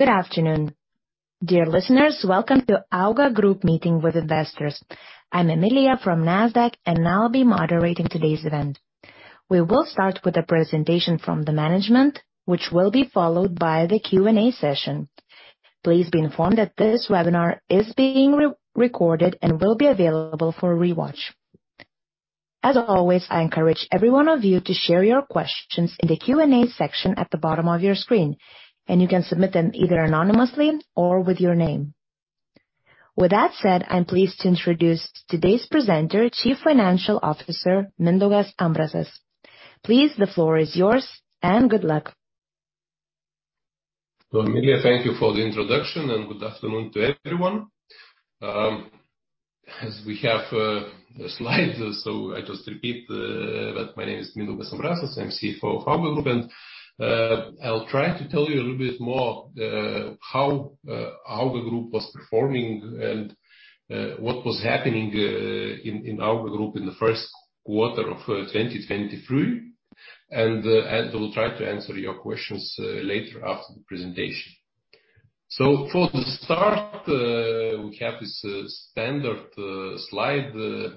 Good afternoon, dear listeners. Welcome to AUGA Group meeting with investors. I'm Emilia from Nasdaq, and I'll be moderating today's event. We will start with a presentation from the management, which will be followed by the Q&A session. Please be informed that this webinar is being re-recorded and will be available for rewatch. As always, I encourage everyone of you to share your questions in the Q&A section at the bottom of your screen, and you can submit them either anonymously or with your name. With that said, I'm pleased to introduce today's presenter, Chief Financial Officer, Mindaugas Ambrasas. Please, the floor is yours, and good luck. Emilia, thank you for the introduction, and good afternoon to everyone. As we have the slides, so I just repeat that my name is Mindaugas Ambrasas. I'm CFO of AUGA Group. I'll try to tell you a little bit more how AUGA Group was performing and what was happening in AUGA Group in the first quarter of 2023. We'll try to answer your questions later after the presentation. For the start, we have this standard slide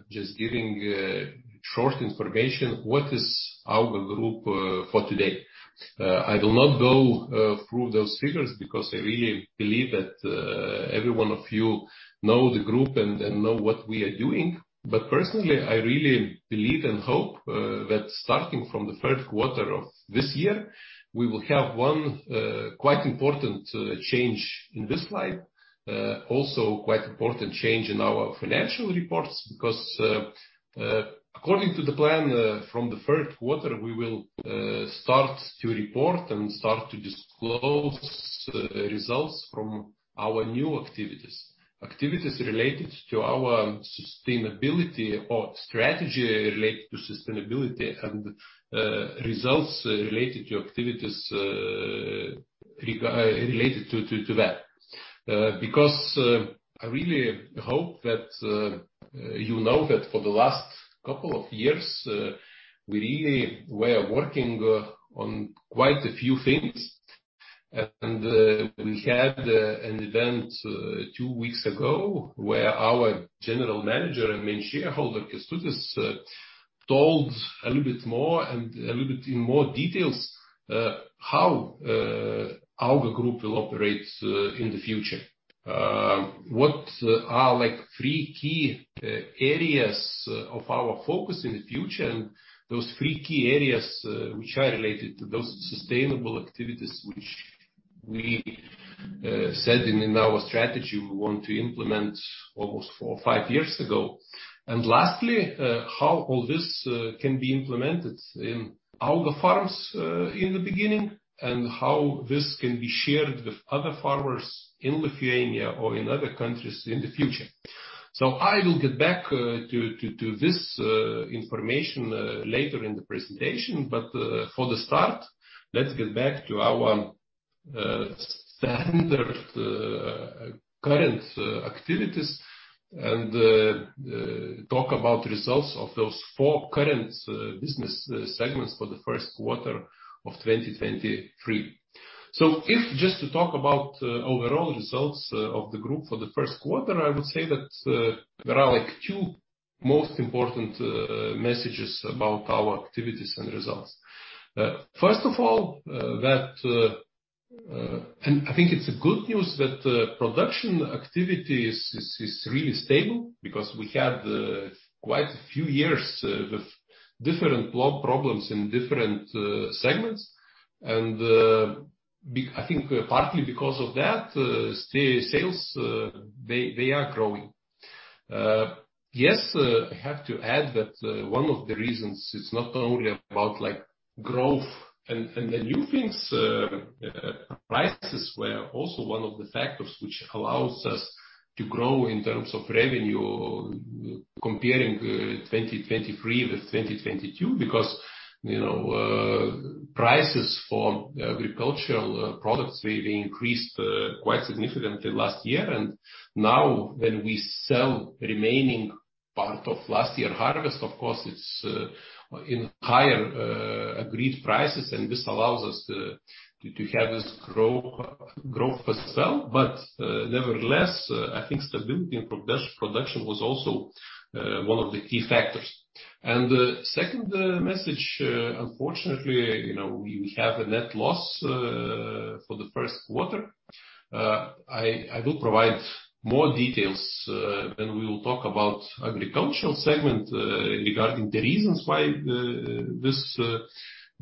just giving short information. What is AUGA Group for today? I will not go through those figures because I really believe that every one of you know the group and know what we are doing. Personally, I really believe and hope that starting from the third quarter of this year, we will have one quite important change in this slide. Quite important change in our financial reports because, according to the plan, from the third quarter, we will start to report and start to disclose results from our new activities. Activities related to our sustainability or strategy related to sustainability and results related to activities related to that. I really hope that, you know, that for the last couple of years, we really were working on quite a few things. We had an event 2 weeks ago, where our General Manager and main shareholder, Kęstutis, told a little bit more and a little bit in more details, how AUGA Group will operate in the future. What are, like, 3 key areas of our focus in the future, and those 3 key areas, which are related to those sustainable activities, which we said in our strategy we want to implement almost 4 or 5 years ago. Lastly, how all this can be implemented in AUGA farms in the beginning, and how this can be shared with other farmers in Lithuania or in other countries in the future. I will get back to this information later in the presentation. For the start, let's get back to our standard current activities, and talk about results of those four current business segments for the first quarter of 2023. If just to talk about overall results of the AUGA group for the first quarter, I would say that there are, like, two most important messages about our activities and results. First of all, that. I think it's a good news that production activity is really stable because we had quite a few years with different problems in different segments. I think partly because of that, sales they are growing. Yes, I have to add that one of the reasons, it's not only about, like, growth and the new things, prices were also one of the factors which allows us to grow in terms of revenue, comparing 2023 with 2022. You know, prices for agricultural products, they increased quite significantly last year. Now, when we sell remaining part of last year harvest, of course, it's in higher agreed prices, and this allows us to have this growth as well. Nevertheless, I think stability in production was also one of the key factors. The second message, unfortunately, you know, we have a net loss for the first quarter. I will provide more details when we will talk about agricultural segment regarding the reasons why this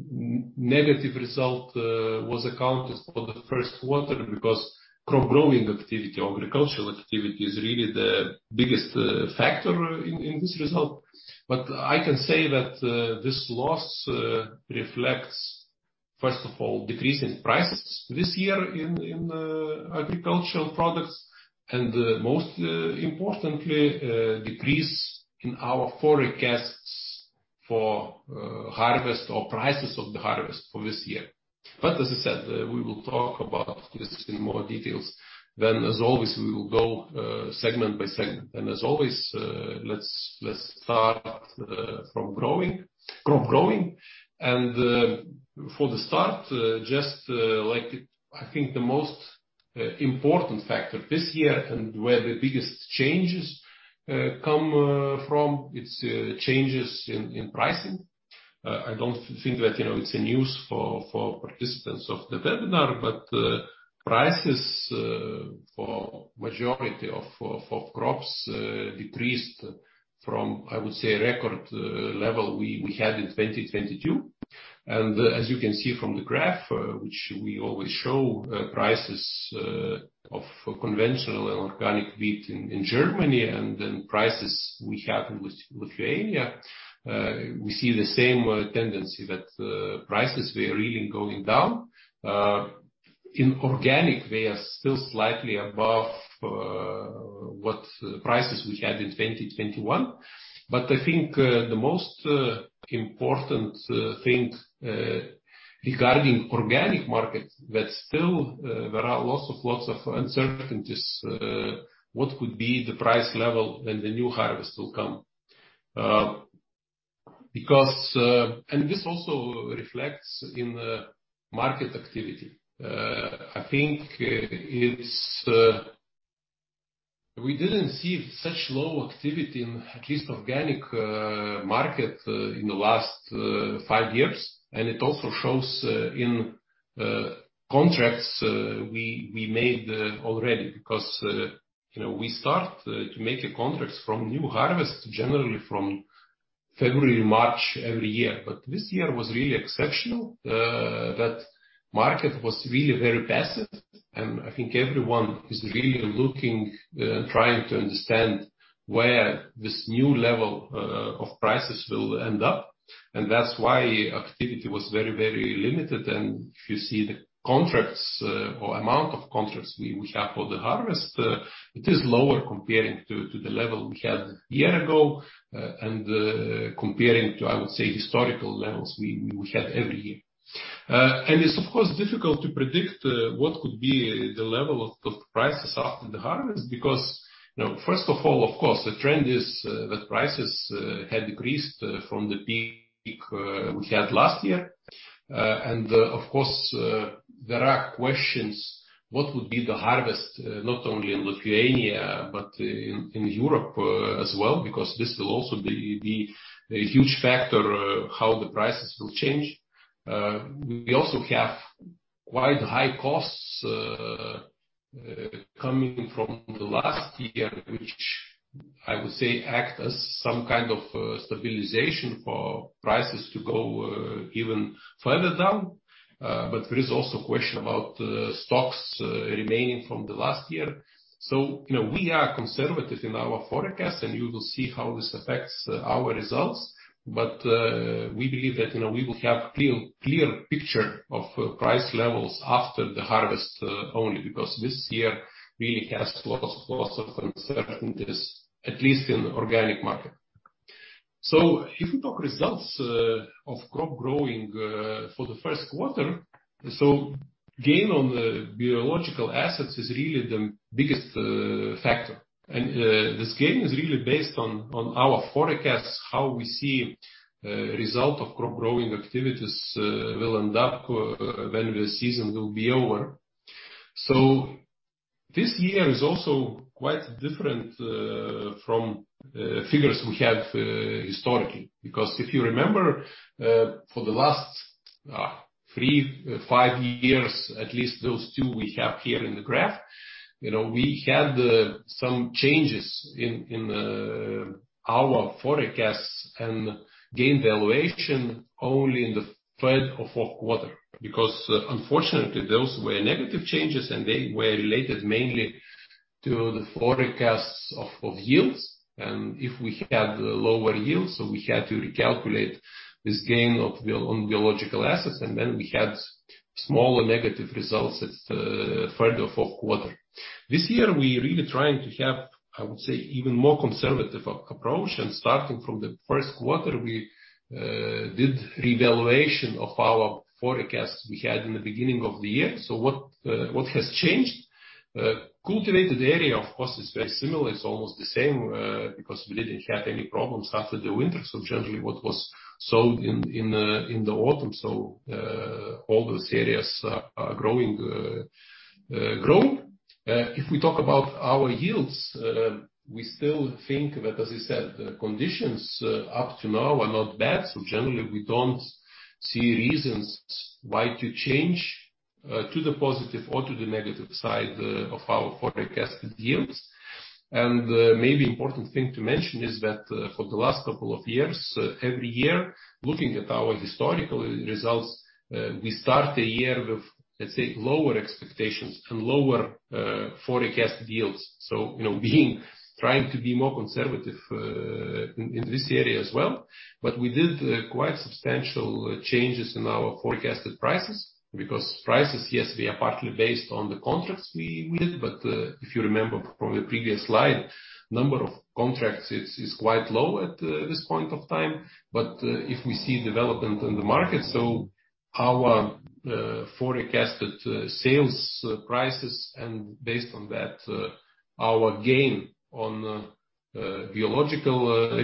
negative result was accounted for the first quarter, because growing activity or agricultural activity is really the biggest factor in this result. I can say that this loss reflects, first of all, decrease in prices this year in agricultural products and, most importantly, decrease in our forecasts for harvest or prices of the harvest for this year. As I said, we will talk about this in more details. As always, we will go segment by segment. As always, let's start from crop growing. For the start, just like, I think the most important factor this year, and where the biggest changes come from, it's changes in pricing. I don't think that, you know, it's a news for participants of the webinar, but prices for majority of crops decreased from, I would say, record level we had in 2022. As you can see from the graph, which we always show, prices of conventional and organic wheat in Germany, and then prices we have in Lithuania. We see the same tendency, that prices were really going down. In organic, we are still slightly above what prices we had in 2021. I think the most important thing regarding organic markets, that still there are lots of uncertainties, what could be the price level when the new harvest will come? This also reflects in the market activity. I think it's we didn't see such low activity in at least organic market in the last five years. It also shows in contracts we made already. You know, we start to make a contract from new harvest, generally from February, March every year. This year was really exceptional, that market was really very passive. I think everyone is really looking, trying to understand where this new level of prices will end up. That's why activity was very limited. If you see the contracts, or amount of contracts we have for the harvest, it is lower comparing to the level we had a year ago, and comparing to, I would say, historical levels we had every year. It's of course, difficult to predict what could be the level of prices after the harvest. You know, first of all, of course, the trend is that prices had decreased from the peak we had last year. Of course, there are questions, what would be the harvest, not only in Lithuania, but in Europe as well, because this will also be a huge factor how the prices will change. We also have quite high costs coming from the last year, which, I would say, act as some kind of stabilization for prices to go even further down. There is also a question about stocks remaining from the last year. You know, we are conservative in our forecast, and you will see how this affects our results. We believe that, you know, we will have clear picture of price levels after the harvest only because this year really has lots of uncertainties, at least in the organic market. If we talk results of crop growing for the first quarter, so gain on the biological assets is really the biggest factor. This gain is really based on our forecasts, how we see result of crop growing activities will end up when the season will be over. This year is also quite different from figures we had historically. Because if you remember, for the last 3, 5 years, at least those two we have here in the graph, you know, we had some changes in our forecasts and gain valuation only in the third or fourth quarter. Because unfortunately, those were negative changes, and they were related mainly to the forecasts of yields. If we had lower yields, so we had to recalculate this gain on biological assets, and then we had smaller negative results at third or fourth quarter. This year, we're really trying to have, I would say, even more conservative approach. Starting from the first quarter, we did revaluation of our forecasts we had in the beginning of the year. What has changed? Cultivated area, of course, is very similar. It's almost the same because we didn't have any problems after the winter. Generally, what was sowed in the autumn, all those areas are growing grown. If we talk about our yields, we still think that, as I said, the conditions up to now are not bad, generally, we don't see reasons why to change to the positive or to the negative side of our forecasted yields. Maybe important thing to mention is that for the last couple of years, every year, looking at our historical results, we start the year with, let's say, lower expectations and lower forecasted yields. You know, trying to be more conservative in this area as well. We did quite substantial changes in our forecasted prices. Prices, yes, we are partly based on the contracts we did, if you remember from the previous slide, number of contracts is quite low at this point of time. If we see development in the market, our forecasted sales prices, and based on that, our gain on biological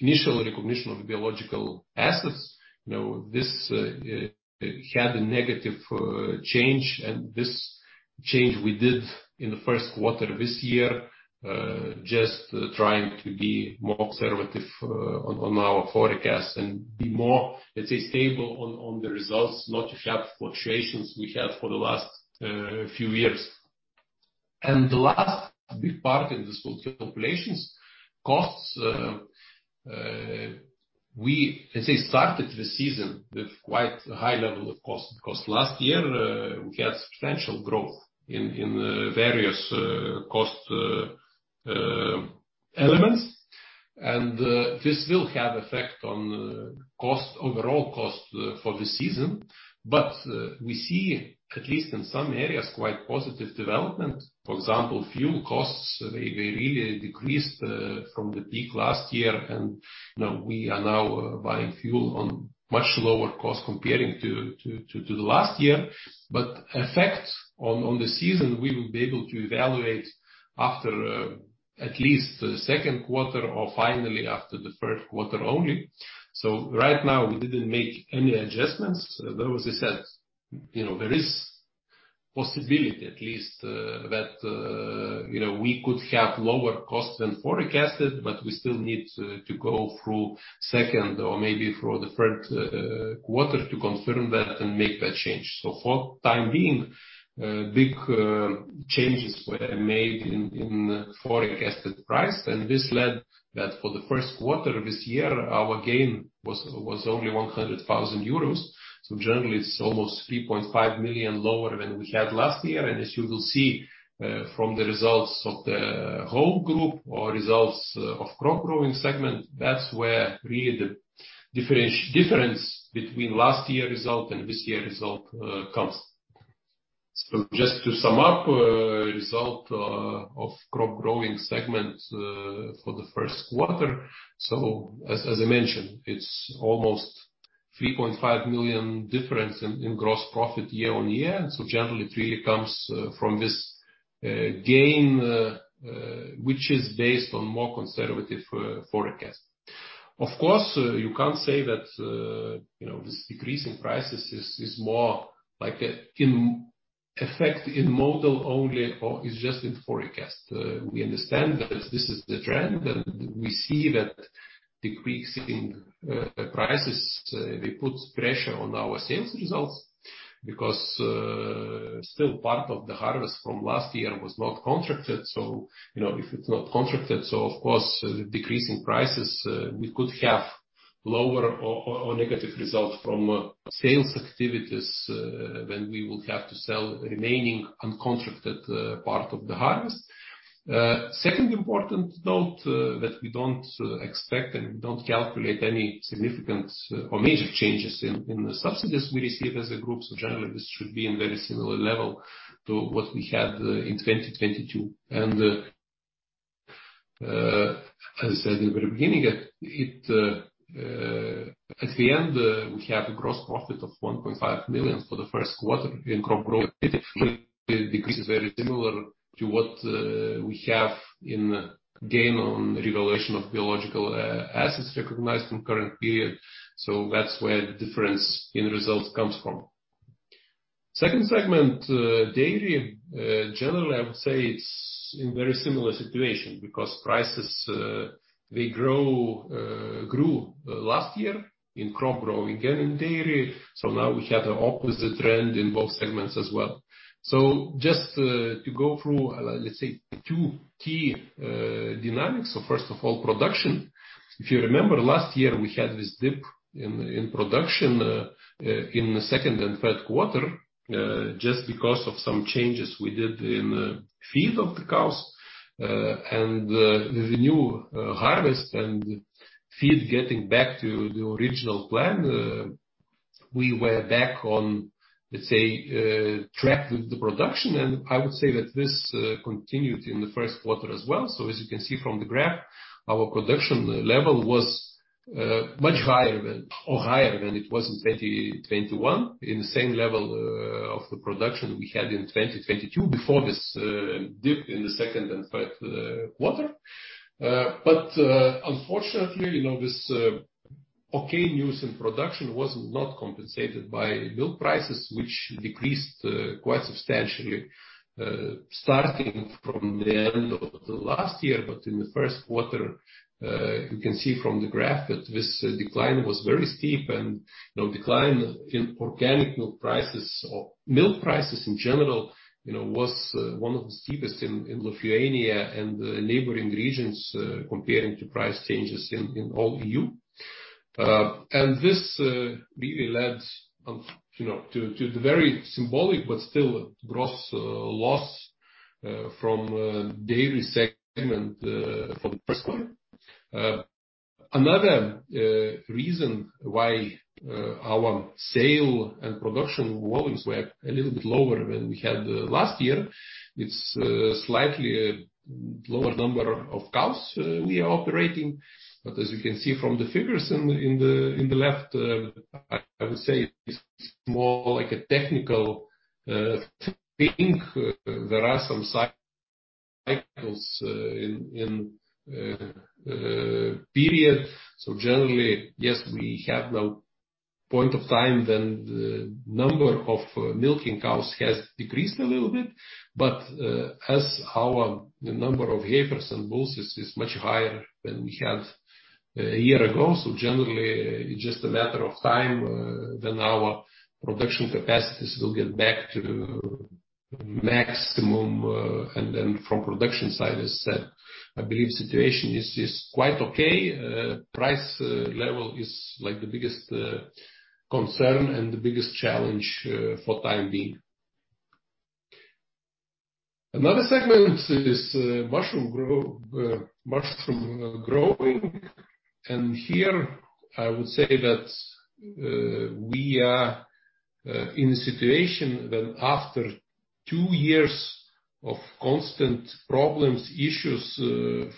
initial recognition of biological assets. You know, this had a negative change. This change we did in the first quarter of this year, just trying to be more conservative on our forecast and be more, let's say, stable on the results, not to have fluctuations we had for the last few years. The last big part in this populations costs, we, let's say, started the season with quite a high level of cost, because last year, we had substantial growth in various cost elements. This will have effect on cost, overall cost for the season. We see, at least in some areas, quite positive development. For example, fuel costs, they really decreased from the peak last year. Now we are now buying fuel on much lower cost comparing to the last year. Effect on the season, we will be able to evaluate after at least the second quarter or finally after the first quarter only. Right now, we didn't make any adjustments. Though, as I said, you know, there is possibility at least that, you know, we could have lower costs than forecasted, but we still need to go through second or maybe through the third quarter to confirm that and make that change. For time being, big changes were made in the forecasted price, and this led that for the first quarter this year, our gain was only 100,000 euros. Generally, it's almost 3.5 million lower than we had last year. As you will see, from the results of the whole group or results of crop growing segment, that's where really the difference between last year result and this year result comes. Just to sum up, result of crop growing segment for the first quarter. As, as I mentioned, it's almost 3.5 million difference in gross profit year-on-year. Generally, it really comes from this gain, which is based on more conservative forecast. Of course, you can't say that, you know, this decrease in prices is more like a, in effect, in model only, or is just in forecast. We understand that this is the trend, and we see that decrease in prices, they put pressure on our sales results because still part of the harvest from last year was not contracted. You know, if it's not contracted, of course, decreasing prices, we could have lower or negative result from sales activities, when we will have to sell remaining uncontracted part of the harvest. Second important note, that we don't expect and don't calculate any significant or major changes in the subsidies we receive as a group. Generally, this should be in very similar level to what we had in 2022. As I said in the very beginning, it, at the end, we have a gross profit of 1.5 million for the first quarter in crop growth. Definitely, decrease is very similar to what we have in gain on revaluation of biological assets recognized in current period. That's where the difference in results comes from. Second segment, dairy. Generally, I would say it's in very similar situation because prices, they grow, grew last year in crop growing and in dairy. Now we have the opposite trend in both segments as well. Just to go through, let's say two key dynamics. First of all, production. If you remember, last year, we had this dip in production, in the second and third quarter, just because of some changes we did in the feed of the cows. The new harvest and feed getting back to the original plan, we were back on, let's say, track with the production. I would say that this continued in the first quarter as well. As you can see from the graph, our production level was much higher than or higher than it was in 2021, in the same level, of the production we had in 2022, before this dip in the second and third quarter. Unfortunately, you know, this okay news in production was not compensated by milk prices, which decreased quite substantially starting from the end of the last year. In the first quarter, you can see from the graph that this decline was very steep. You know, decline in organic milk prices or milk prices in general, you know, was one of the steepest in Lithuania and the neighboring regions comparing to price changes in all EU. This really led, you know, to the very symbolic, but still gross loss from dairy segment for the first quarter. Another reason why our sale and production volumes were a little bit lower than we had last year, it's slightly lower number of cows we are operating. As you can see from the figures in the left, I would say it's more like a technical. I think there are some cycles in period. Generally, yes, we have no point of time than the number of milking cows has decreased a little bit, but as our number of heifers and bulls is much higher than we had a year ago. Generally, it's just a matter of time, then our production capacities will get back to maximum, and then from production side, as said, I believe situation is quite okay. Price level is like the biggest concern and the biggest challenge for time being. Another segment is mushroom growing, and here I would say that we are in a situation that after 2 years of constant problems, issues,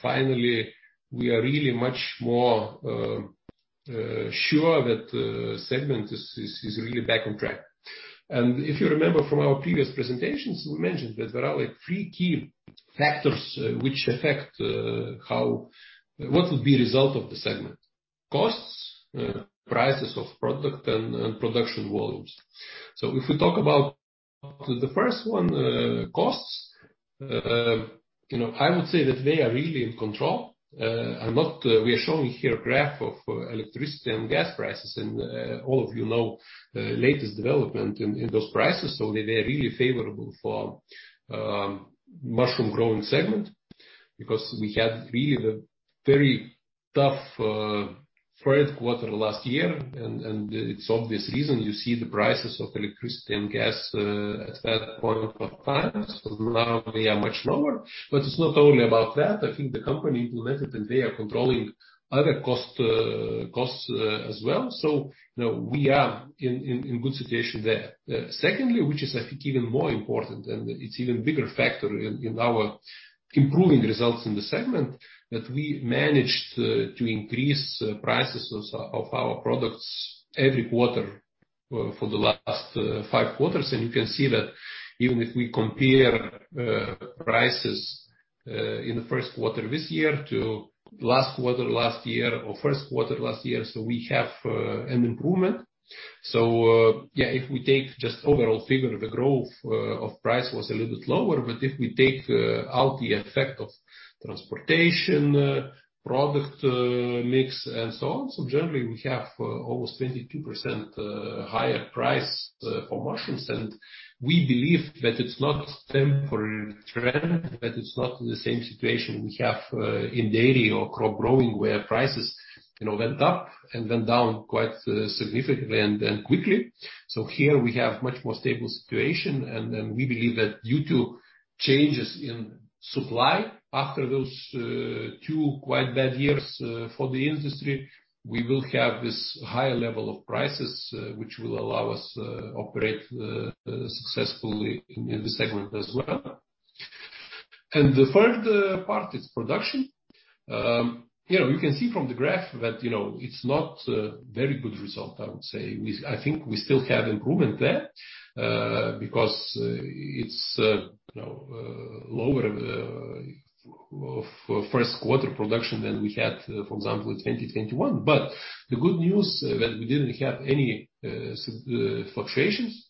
finally, we are really much more sure that the segment is really back on track. If you remember from our previous presentations, we mentioned that there are, like, 3 key factors which affect what would be result of the segment: costs, prices of product, and production volumes. If we talk about the first one, costs, you know, I would say that they are really in control, and not, we are showing here a graph of electricity and gas prices, and all of you know latest development in those prices. They are really favorable for mushroom growing segment because we had really the very tough third quarter last year, and it's obvious reason. You see the prices of electricity and gas at that point of time. Now they are much lower, but it's not only about that. I think the company implemented, and they are controlling other costs as well. You know, we are in good situation there. Secondly, which is, I think, even more important, and it's even bigger factor in our improving results in the segment, that we managed to increase prices of our products every quarter for the last five quarters. You can see that even if we compare prices in the first quarter this year to last quarter last year or first quarter last year, so we have an improvement. Yeah, if we take just overall figure, the growth of price was a little bit lower, but if we take out the effect of transportation, product mix, and so on, so generally, we have almost 22% higher price for mushrooms. We believe that it's not temporary trend, that it's not the same situation we have in dairy or crop growing, where prices, you know, went up and went down quite significantly and then quickly. Here we have much more stable situation, and then we believe that due to changes in supply after those, 2 quite bad years for the industry, we will have this higher level of prices, which will allow us operate successfully in this segment as well. The third part is production. You know, you can see from the graph that, you know, it's not a very good result, I would say. I think we still have improvement there, because it's, you know, lower of first quarter production than we had, for example, in 2021. The good news that we didn't have any fluctuations.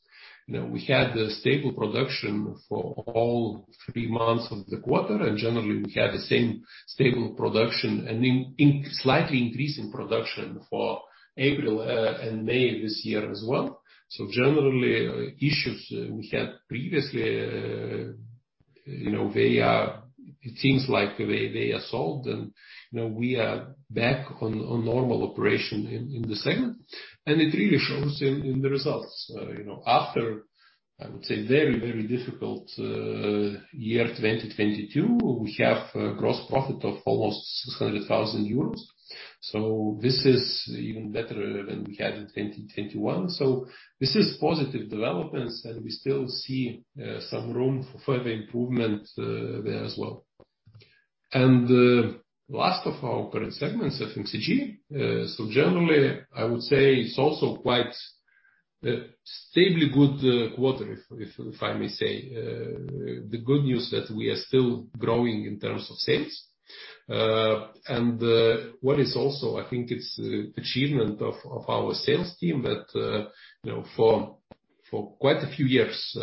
You know, we had a stable production for all 3 months of the quarter, and generally, we have the same stable production and in slightly increase in production for April and May this year as well. Generally, issues we had previously, you know, It seems like they are solved, and, you know, we are back on normal operation in the segment, and it really shows in the results. You know, after, I would say, very difficult year, 2022, we have a gross profit of almost 600,000 euros. This is even better than we had in 2021. This is positive developments, and we still see some room for further improvement there as well. Last of our current segments, FMCG. Generally, I would say it's also quite stably good quarter, if, if I may say. The good news that we are still growing in terms of sales. What is also, I think it's achievement of our sales team, that, you know, for quite a few years,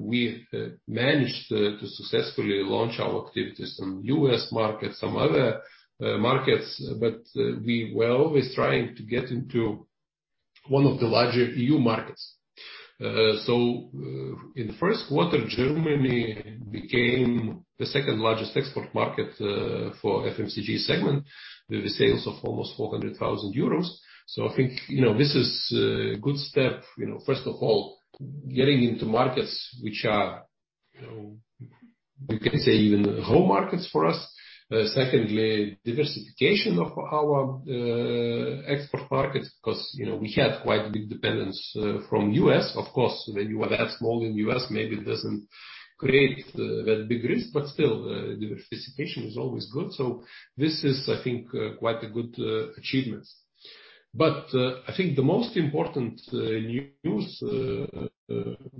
we've managed to successfully launch our activities in U.S. market, some other markets, but, we were always trying to get into one of the larger EU markets. In the first quarter, Germany became the second largest export market, for FMCG segment, with the sales of almost 400,000 euros. I think, you know, this is a good step, you know, first of all, getting into markets which are, you know, you can say, even home markets for us. Secondly, diversification of our export markets, 'cause, you know, we had quite a big dependence from U.S. Of course, when you are that small in U.S., maybe it doesn't create that big risk, but still, diversification is always good. This is, I think, quite a good achievement. I think the most important news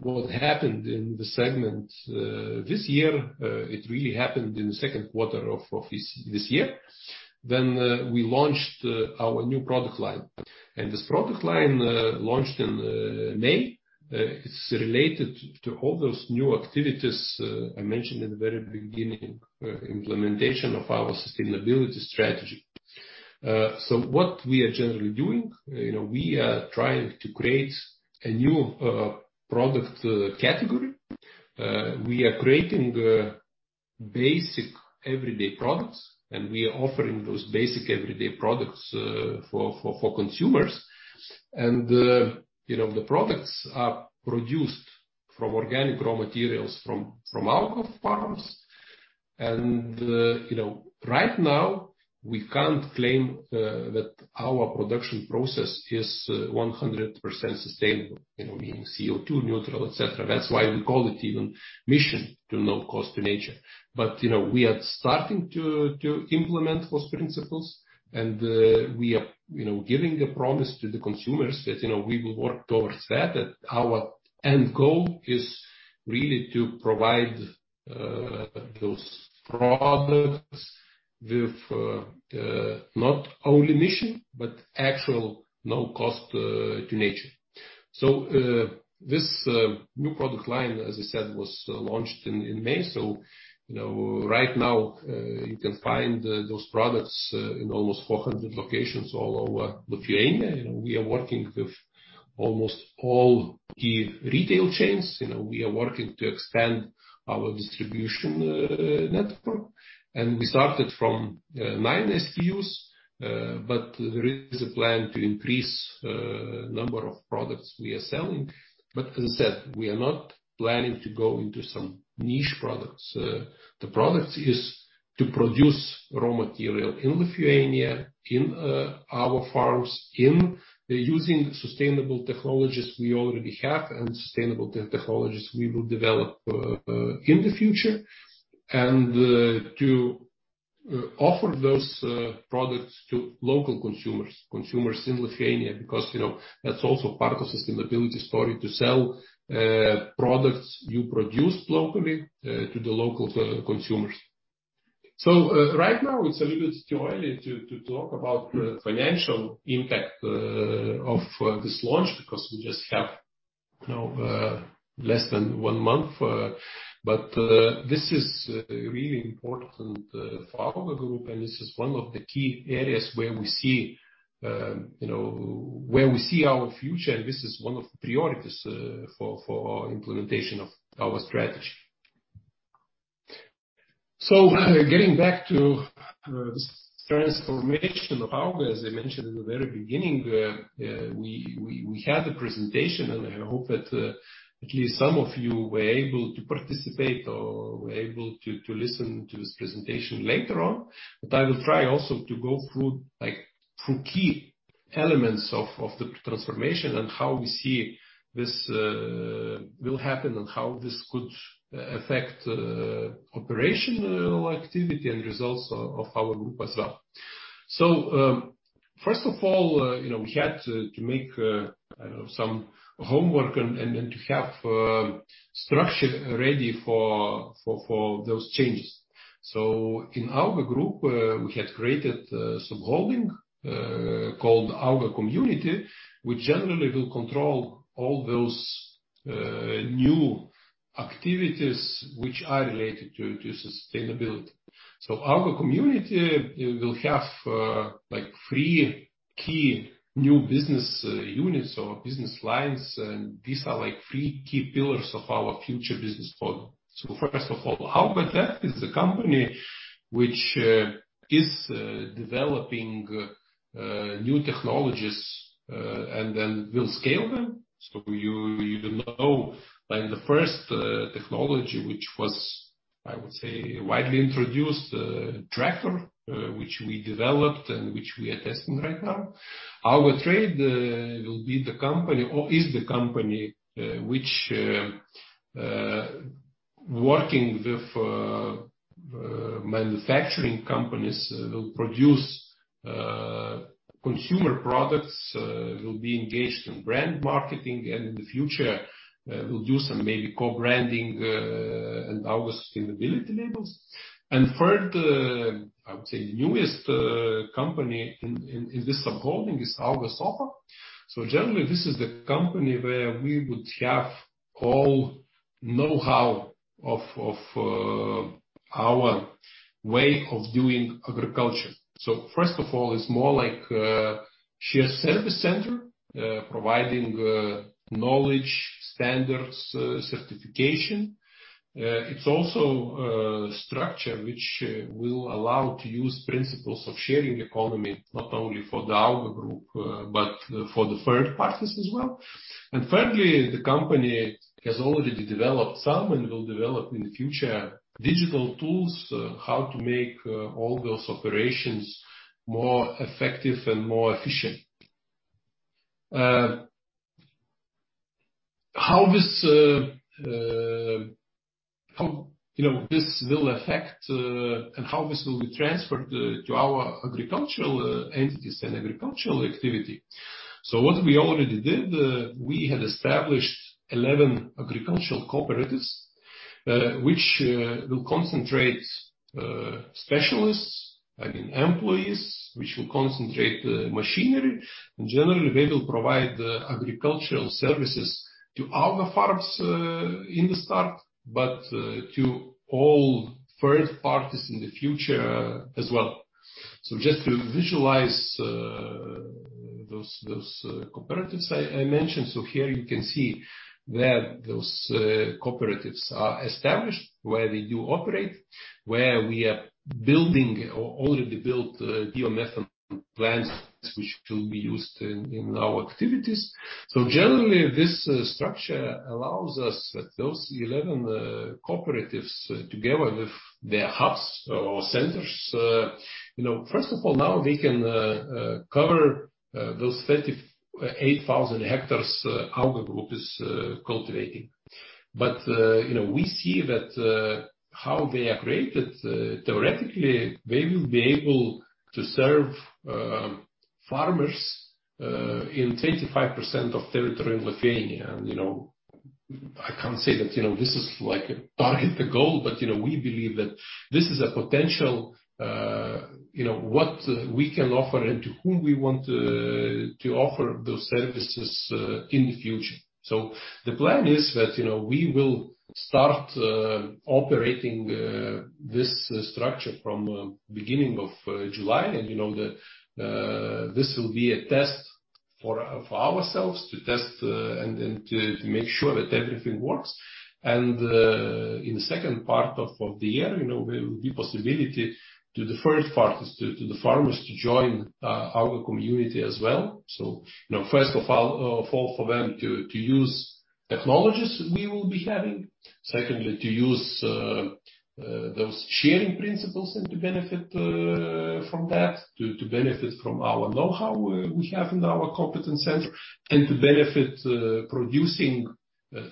what happened in the segment this year, it really happened in the second quarter of this year. We launched our new product line. This product line launched in May. It's related to all those new activities I mentioned in the very beginning, implementation of our sustainability strategy. What we are generally doing, you know, we are trying to create a new product category. We are creating basic everyday products, and we are offering those basic everyday products for consumers. You know, the products are produced from organic raw materials, from our own farms. You know, right now, we can't claim that our production process is 100% sustainable, you know, being CO₂ neutral, et cetera. That's why we call it even mission no cost to nature. You know, we are starting to implement those principles, and we are, you know, giving a promise to the consumers that, you know, we will work towards that our end goal is really to provide those products with not only mission, but actual no cost to nature. This new product line, as I said, was launched in May. You know, right now, you can find those products in almost 400 locations all over Lithuania. You know, we are working with almost all key retail chains. You know, we are working to extend our distribution network. We started from 9 SKUs, but there is a plan to increase number of products we are selling. As I said, we are not planning to go into some niche products. The products is to produce raw material in Lithuania, in our farms, in using sustainable technologies we already have, and sustainable technologies we will develop in the future, and to offer those products to local consumers in Lithuania. You know, that's also part of sustainability story, to sell products you produce locally to the local consumers. Right now, it's a little too early to talk about the financial impact of this launch, because we just have, you know, less than one month. This is really important for our group, and this is one of the key areas where we see, you know, where we see our future, and this is one of the priorities for implementation of our strategy. Getting back to transformation of AUGA group, as I mentioned in the very beginning, we had a presentation, and I hope that at least some of you were able to participate or were able to listen to this presentation later on. I will try also to go through, like, through key elements of the transformation, and how we see this will happen, and how this could affect operational activity and results of our group as well. First of all, you know, we had to make, I don't know, some homework and to have structure ready for those changes. In AUGA group, we had created a subholding called AUGA Community, which generally will control all those new activities which are related to sustainability. AUGA Community will have, like, three key new business units or business lines, and these are, like, three key pillars of our future business model. First of all, AUGA Tech is a company which is developing new technologies and then will scale them. You know, like the first technology, which was, I would say, widely introduced, tractor, which we developed and which we are testing right now. AUGA Trade will be the company or is the company which working with manufacturing companies will produce consumer products, will be engaged in brand marketing, and in the future will do some maybe co-branding in AUGA sustainability labels. Third, I would say the newest company in this subholding is AUGA SOFA. Generally, this is the company where we would have all know-how of our way of doing agriculture. First of all, it's more like a shared service center, providing knowledge, standards, certification. It's also a structure which will allow to use principles of sharing economy, not only for the AUGA group, but for the third parties as well. Thirdly, the company has already developed some and will develop in the future, digital tools, how to make all those operations more effective and more efficient. How, you know, this will affect and how this will be transferred to our agricultural entities and agricultural activity? What we already did, we had established 11 agricultural cooperatives, which will concentrate specialists and employees, which will concentrate the machinery. Generally, they will provide the agricultural services to other farms in the start, but to all third parties in the future as well. Just to visualize those cooperatives I mentioned. Here you can see where those cooperatives are established, where they do operate, where we are building or already built biomethane plants, which will be used in our activities. Generally, this structure allows us that those 11 cooperatives, together with their hubs or centers. You know, first of all, now we can cover those 38,000 hectares AUGA group is cultivating. You know, we see that how they are created, theoretically, they will be able to serve farmers in 25% of territory in Lithuania. You know, I can't say that, you know, this is like a target, the goal, but, you know, we believe that this is a potential, you know, what we can offer and to whom we want to offer those services in the future. The plan is that, you know, we will start operating this structure from beginning of July. You know, the this will be a test for ourselves to test and then to make sure that everything works. In the second part of the year, you know, there will be possibility to the first parties, to the farmers, to join our AUGA Community as well. You know, first of all, for them to use technologies we will be having. Secondly, to use those sharing principles and to benefit from that, to benefit from our know-how we have in our competence center, and to benefit producing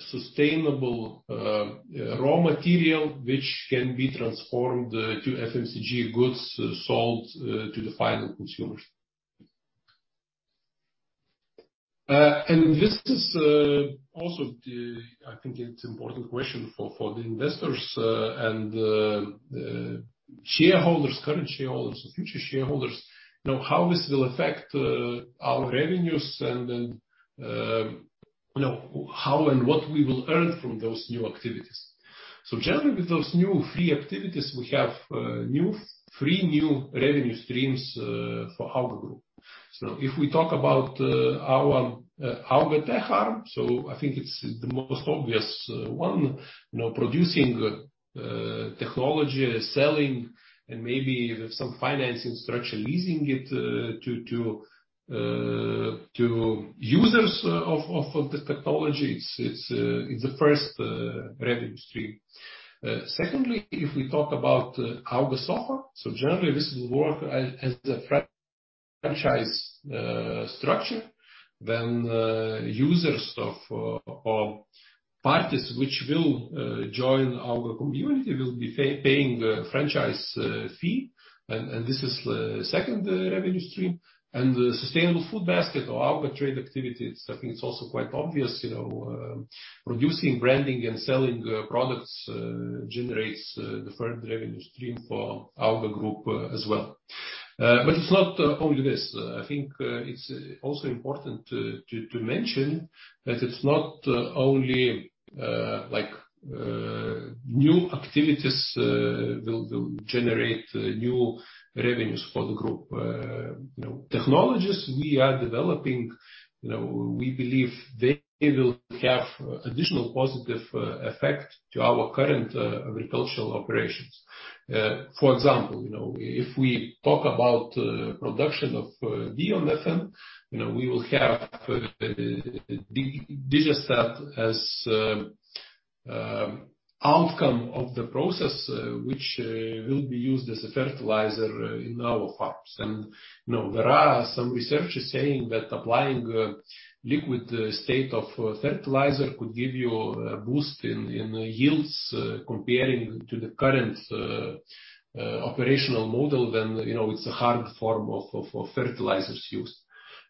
sustainable raw material, which can be transformed to FMCG goods sold to the final consumers. This is also the... I think it's important question for the investors and the shareholders, current shareholders and future shareholders, you know, how this will affect our revenues and then, you know, how and what we will earn from those new activities. Generally, with those new 3 activities, we have 3 new revenue streams for AUGA Group. If we talk about our AUGA Tech Farm, I think it's the most obvious one. You know, producing technology, selling, and maybe with some financing structure, leasing it to users of the technology. It's the first revenue stream. Secondly, if we talk about AUGA SOFA, generally, this will work as a franchise structure, then users or parties which will join our community, will be paying the franchise fee. This is the second revenue stream. The sustainable food basket or AUGA Trade activity, I think it's also quite obvious. You know, producing, branding and selling products generates the third revenue stream for AUGA group as well. It's not only this. I think it's also important to mention that it's not only new activities will generate new revenues for the group. You know, technologies we are developing, you know, we believe they will have additional positive effect to our current agricultural operations. For example, you know, if we talk about production of biomethane, you know, we will have digester as outcome of the process, which will be used as a fertilizer in our farms. You know, there are some researchers saying that applying liquid state of fertilizer could give you a boost in yields comparing to the current operational model than, you know, it's a hard form of fertilizers used.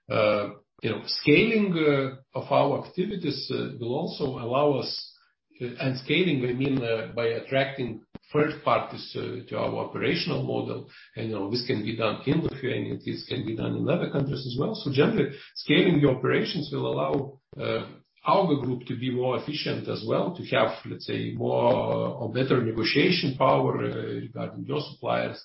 You know, scaling of our activities will also allow us... Scaling, we mean, by attracting third parties to our operational model. You know, this can be done in Lithuania, this can be done in other countries as well. Generally, scaling the operations will allow AUGA Group to be more efficient as well, to have, let's say, more or better negotiation power regarding your suppliers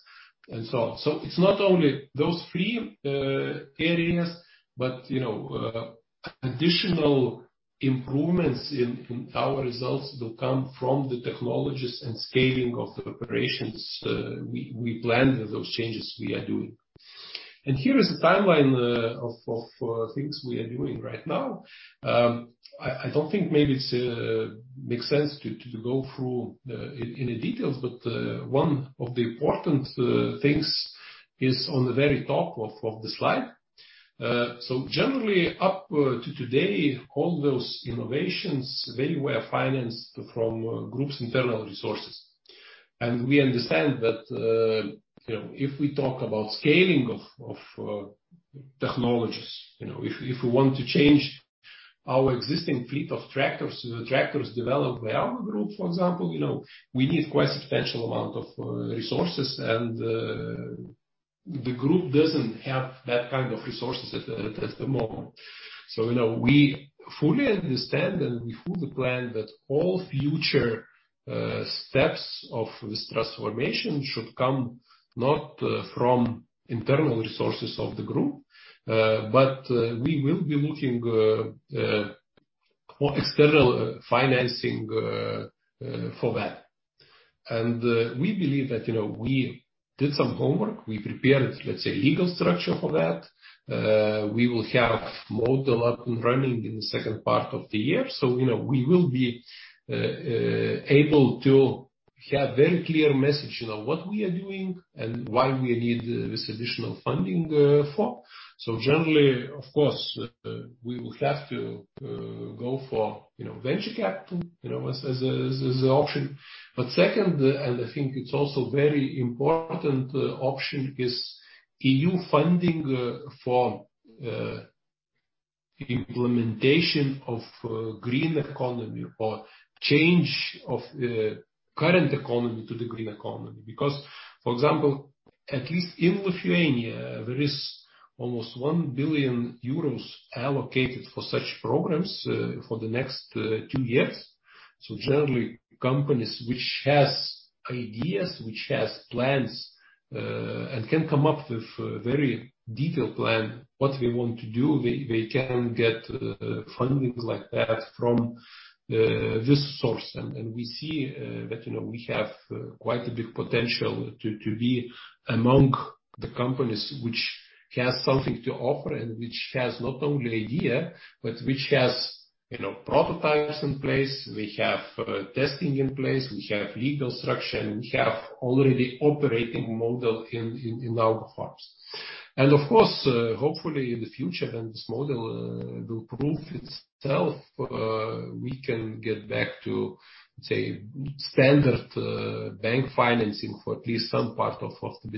and so on. It's not only those three areas, but, you know, additional improvements in our results will come from the technologies and scaling of the operations, we plan those changes we are doing. Here is a timeline of things we are doing right now. I don't think maybe it makes sense to go through in any details, but one of the important things is on the very top of the slide. Generally, up to today, all those innovations, they were financed from group's internal resources.... We understand that, you know, if we talk about scaling of technologies, you know, if we want to change our existing fleet of tractors, the tractors developed by our group, for example, you know, we need quite a substantial amount of resources, and the group doesn't have that kind of resources at the moment. You know, we fully understand, and we fully plan that all future steps of this transformation should come not from internal resources of the AUGA Group, but we will be looking for external financing for that. We believe that, you know, we did some homework. We prepared, let's say, legal structure for that. We will have more development running in the second part of the year, so, you know, we will be able to have very clear message, you know, what we are doing and why we need this additional funding for. Generally, of course, we will have to go for, you know, venture capital, you know, as an option. Second, and I think it's also very important, option is EU funding for implementation of green economy or change of current economy to the green economy. For example, at least in Lithuania, there is almost 1 billion euros allocated for such programs for the next 2 years. Generally, companies which has ideas, which has plans and can come up with a very detailed plan, what we want to do, they can get fundings like that from this source. We see that, you know, we have quite a big potential to be among the companies which has something to offer, and which has not only idea, but which has, you know, prototypes in place. We have testing in place, we have legal structure, and we have already operating model in our farms. Of course, hopefully, in the future, when this model will prove itself, we can get back to, say, standard bank financing for at least some part of the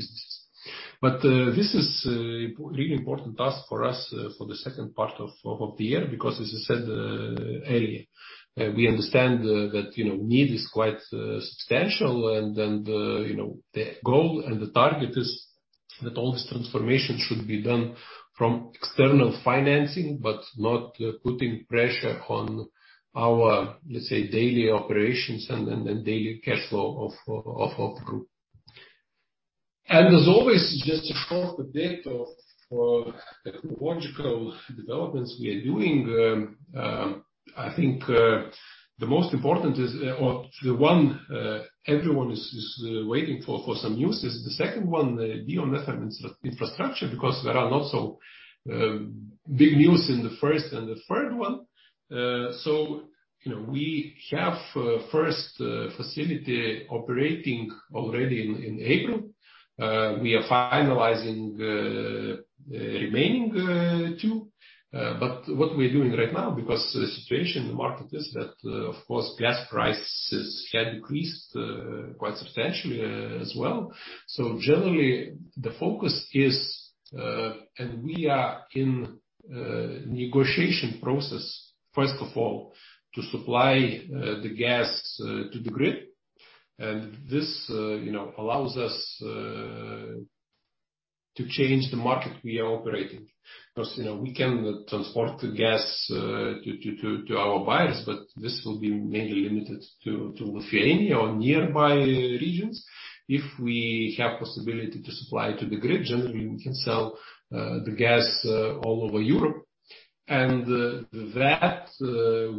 businesses. This is really important task for us for the second part of the year, because as I said earlier, we understand that, you know, need is quite substantial. You know, the goal and the target is that all this transformation should be done from external financing, but not putting pressure on our, let's say, daily operations and daily cash flow of the group. As always, just a short update of the logical developments we are doing. I think the most important is or the one everyone is waiting for some news, is the 2nd one, the biomethane infrastructure, because there are not so big news in the 1st and the 3rd one. You know, we have a 1st facility operating already in April. We are finalizing remaining 2, what we're doing right now, because the situation in the market is that, of course, gas prices have increased quite substantially as well. Generally, the focus is. We are in negotiation process, 1st of all, to supply the gas to the grid. This, you know, allows us to change the market we are operating. Because, you know, we can transport the gas to our buyers, but this will be mainly limited to Lithuania or nearby regions. If we have possibility to supply to the grid, generally, we can sell the gas all over Europe. That,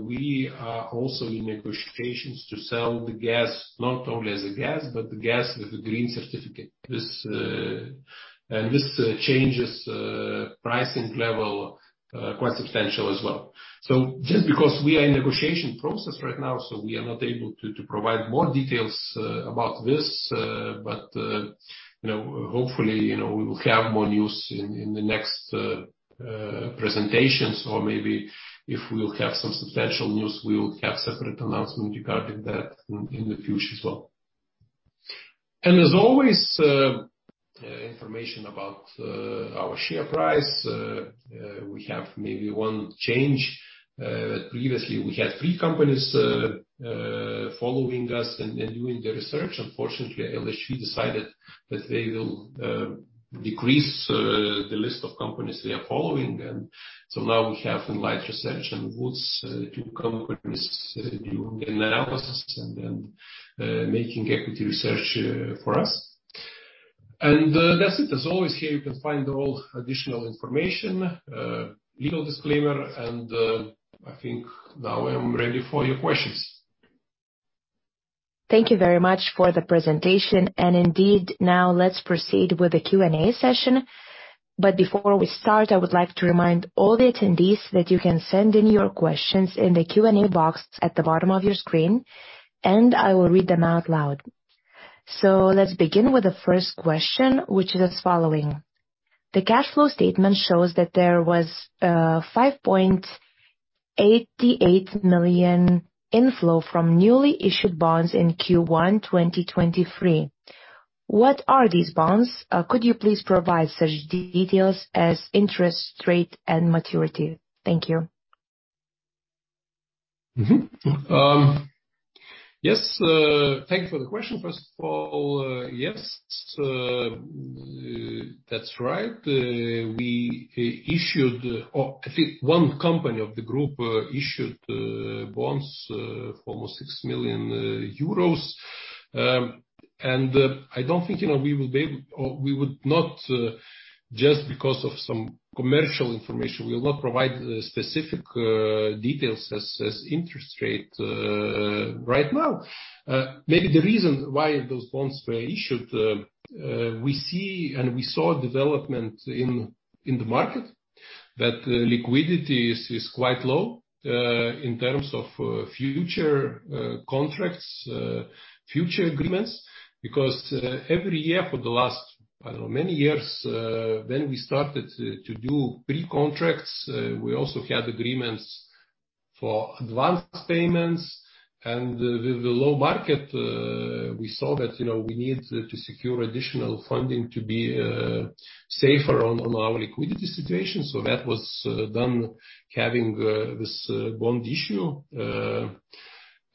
we are also in negotiations to sell the gas, not only as a gas, but the gas with the green certificate. This, and this changes pricing level quite substantial as well. Just because we are in negotiation process right now, we are not able to provide more details about this, but, you know, hopefully, you know, we will have more news in the next presentations, or maybe if we will have some substantial news, we will have separate announcement regarding that in the future as well. As always, information about our share price, we have maybe one change. Previously, we had three companies following us and doing the research. Unfortunately, LHV decided that they will decrease the list of companies they are following. Now we have Enlight Research and WOOD & Co., two companies doing analysis and then making equity research for us. That's it. As always, here you can find all additional information, legal disclaimer, and, I think now I'm ready for your questions. Thank you very much for the presentation. Indeed, now let's proceed with the Q&A session. Before we start, I would like to remind all the attendees that you can send in your questions in the Q&A box at the bottom of your screen, and I will read them out loud. Let's begin with the first question, which is as following: The cash flow statement shows that there was 5.88 million inflow from newly issued bonds in Q1 2023. What are these bonds? Could you please provide such details as interest rate and maturity? Thank you. Yes, thank you for the question. First of all, yes, that's right. We issued, or I think one company of the group, issued bonds for almost 6 million euros. I don't think, you know, we will be able or we would not, just because of some commercial information, we will not provide specific details as interest rate right now. Maybe the reason why those bonds were issued, we see and we saw development in the market, that liquidity is quite low in terms of future contracts, future agreements, because every year for the last, I don't know, many years, when we started to do pre-contracts, we also had agreements for advanced payments. With the low market, we saw that, you know, we need to secure additional funding to be safer on our liquidity situation. That was done having this bond issue.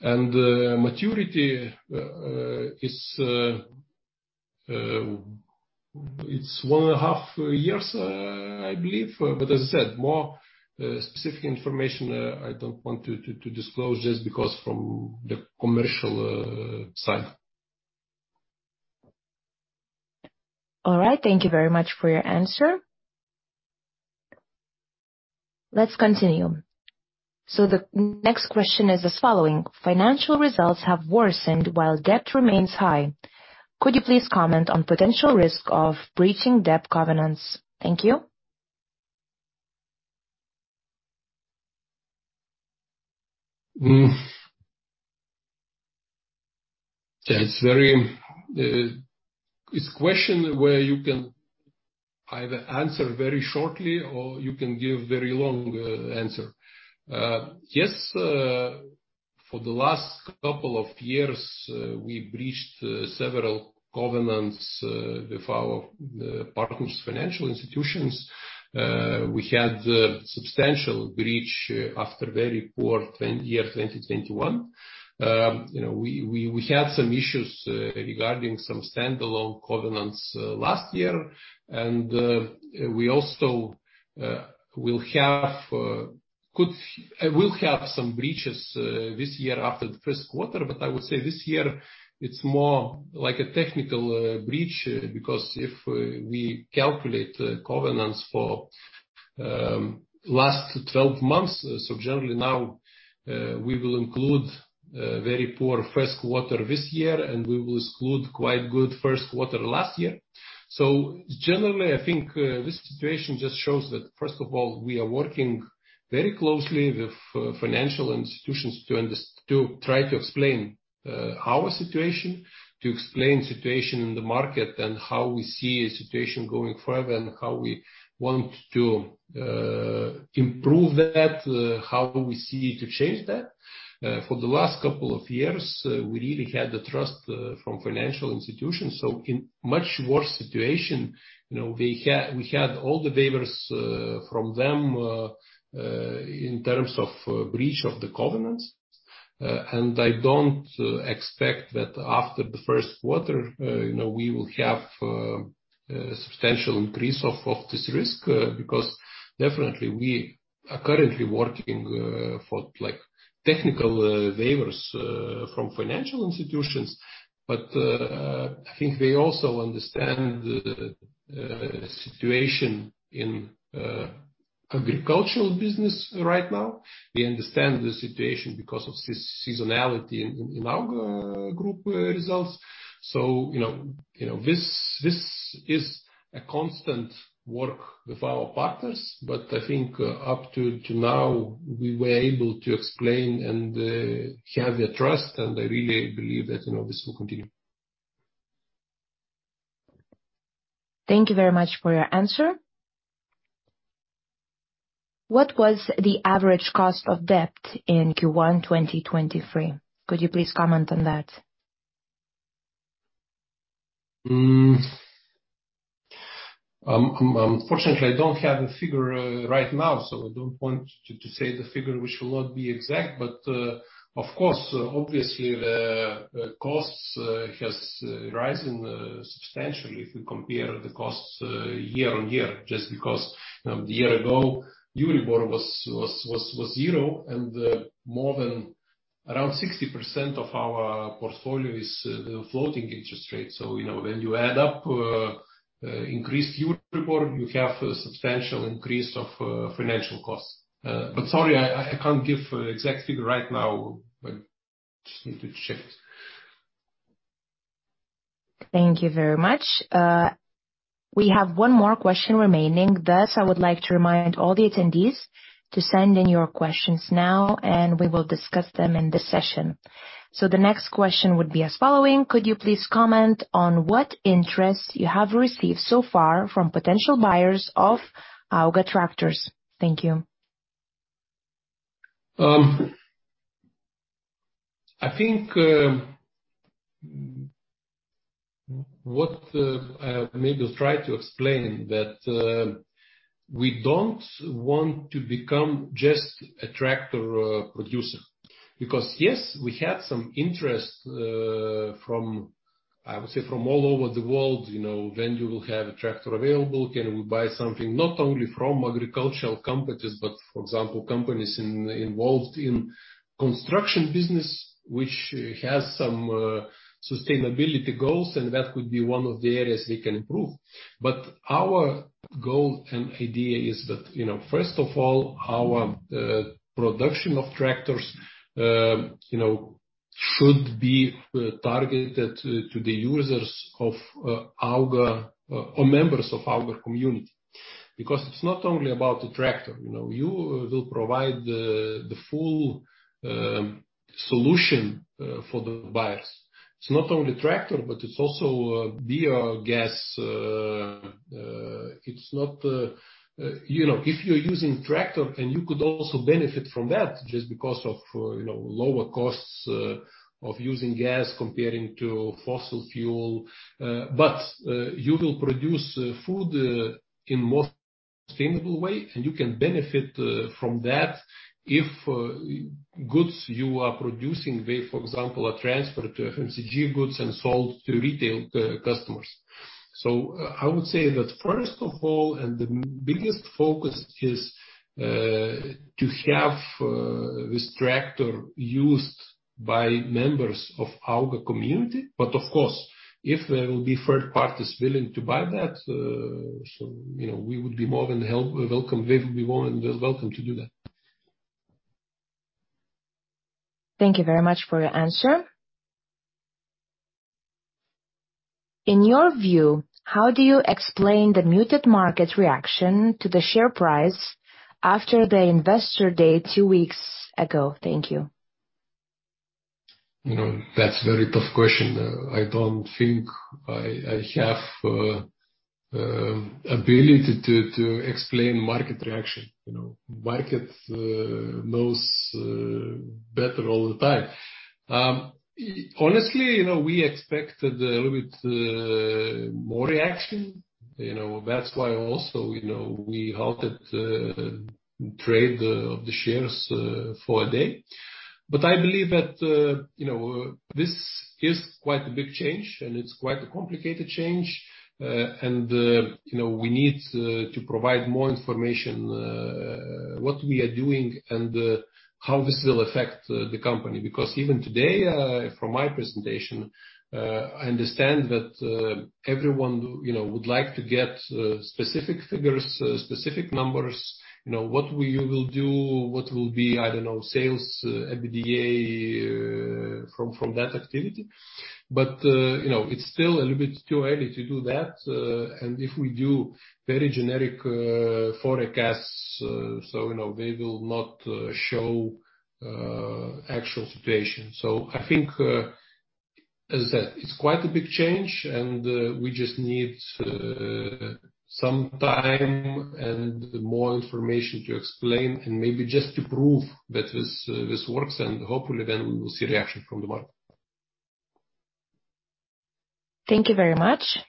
Maturity is it's one and a half years, I believe. As I said, more specific information, I don't want to disclose just because from the commercial side. All right. Thank you very much for your answer. Let's continue. The next question is as following: Financial results have worsened while debt remains high. Could you please comment on potential risk of breaching debt covenants? Thank you. That's very. It's a question where you can either answer very shortly or you can give very long answer. Yes, for the last couple of years, we breached several covenants with our partners, financial institutions. We had substantial breach after very poor year 2021. You know, we had some issues regarding some standalone covenants last year. We also will have some breaches this year after the first quarter, but I would say this year, it's more like a technical breach because if we calculate the covenants for last 12 months, so generally now, we will include a very poor first quarter this year, and we will exclude quite good first quarter last year. Generally, I think, this situation just shows that, first of all, we are working very closely with financial institutions to try to explain our situation, to explain situation in the market and how we see a situation going further and how we want to improve that, how we see to change that. For the last couple of years, we really had the trust from financial institutions, so in much worse situation, you know, we had all the waivers from them in terms of breach of the covenants. I don't expect that after the first quarter, you know, we will have a substantial increase of this risk, because definitely we are currently working for, like, technical waivers from financial institutions. I think they also understand the situation in agricultural business right now. They understand the situation because of seasonality in our group results. You know, this is a constant work with our partners, but I think up to now, we were able to explain and have their trust, and I really believe that, you know, this will continue. Thank you very much for your answer. What was the average cost of debt in Q1, 2023? Could you please comment on that? Unfortunately, I don't have a figure right now, so I don't want to say the figure, which will not be exact. Of course, obviously, the costs has risen substantially if you compare the costs year-on-year, just because a year ago, Euribor was 0, and more than around 60% of our portfolio is floating interest rate. You know, when you add up increased Euribor, you have a substantial increase of financial costs. Sorry, I can't give an exact figure right now, but just need to check it. Thank you very much. We have one more question remaining. Thus, I would like to remind all the attendees to send in your questions now, and we will discuss them in this session. The next question would be as following: Could you please comment on what interest you have received so far from potential buyers of AUGA tractors? Thank you. I think, what, I maybe try to explain that, we don't want to become just a tractor producer. Yes, we had some interest, from, I would say, from all over the world, you know, when you will have a tractor available, can we buy something not only from agricultural companies, but, for example, companies involved in construction business, which has some sustainability goals, and that could be one of the areas we can improve. Our goal and idea is that, you know, first of all, our production of tractors, you know, should be targeted to the users of AUGA, or members of AUGA Community, because it's not only about the tractor. You know, you will provide the full solution for the buyers. It's not only tractor, but it's also biogas. It's not, you know, if you're using tractor, and you could also benefit from that just because of, you know, lower costs of using gas comparing to fossil fuel. You will produce food in more sustainable way, and you can benefit from that if goods you are producing, they, for example, are transferred to FMCG goods and sold to retail customers. I would say that, first of all, and the biggest focus is to have this tractor used by members of AUGA Community. Of course, if there will be third parties willing to buy that, you know, we would be more than welcome. We will be more than welcome to do that. Thank you very much for your answer. In your view, how do you explain the muted market reaction to the share price after the investor day two weeks ago? Thank you. You know, that's a very tough question. I don't think I have ability to explain market reaction, you know. Market knows better all the time. Honestly, you know, we expected a little bit more reaction, you know. That's why also, you know, we halted trade of the shares for a day. I believe that, you know, this is quite a big change, and it's quite a complicated change. You know, we need to provide more information what we are doing and how this will affect the company. Because even today, from my presentation, I understand that everyone, you know, would like to get specific figures, specific numbers, you know, what we will do, what will be, I don't know, sales, EBITDA, from that activity. You know, it's still a little bit too early to do that. If we do very generic forecasts, you know, they will not show actual situation. I think, as I said, it's quite a big change, and we just need some time and more information to explain and maybe just to prove that this works, and hopefully then we will see reaction from the market. Thank you very much.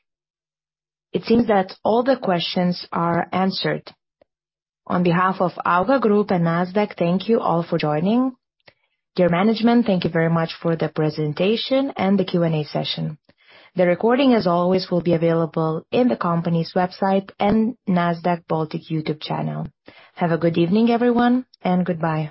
It seems that all the questions are answered. On behalf of AUGA group and Nasdaq, thank you all for joining. Dear management, thank you very much for the presentation and the Q&A session. The recording, as always, will be available in the company's website and Nasdaq Baltic YouTube channel. Have a good evening, everyone, and goodbye.